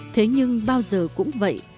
thế nhưng bao giờ cũng vậy